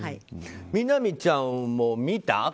みなみちゃんも見た？